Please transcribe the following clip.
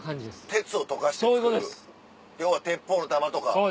鉄を溶かして作る要は鉄砲の弾とか。